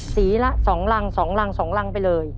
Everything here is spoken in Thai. สีละ๒รัง๒รัง๒รังไปเลย